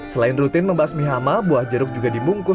selain rutin membasmi hama buah jeruk juga dibungkus